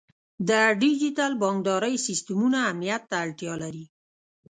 د ډیجیټل بانکدارۍ سیستمونه امنیت ته اړتیا لري.